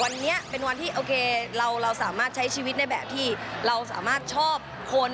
วันนี้เป็นวันที่โอเคเราสามารถใช้ชีวิตในแบบที่เราสามารถชอบคน